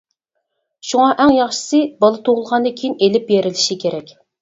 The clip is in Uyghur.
شۇڭا، ئەڭ ياخشىسى بالا تۇغۇلغاندىن كېيىن ئېلىپ بېرىلىشى كېرەك.